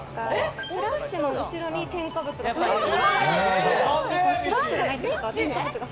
スラッシュの後ろに添加物が。